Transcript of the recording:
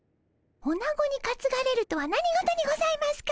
おなごにかつがれるとは何事にございますか！